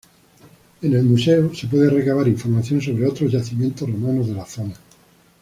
En el museo se puede recabar información sobre otros yacimientos romanos de la zona.